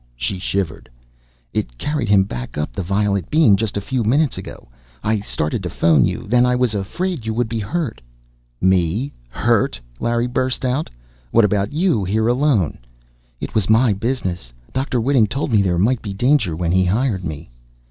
She shivered. "It carried him back up the violet beam. Just a few minutes ago, I started to phone you. Then I was afraid you would be hurt " "Me, hurt?" Larry burst out. "What about you, here alone?" "It was my business. Dr. Whiting told me there might be danger, when he hired me."